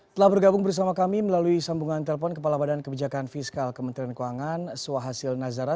telah bergabung bersama kami melalui sambungan telpon kepala badan kebijakan fiskal kementerian keuangan swahasil nazara